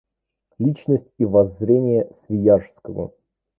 Личность и воззрения Свияжского.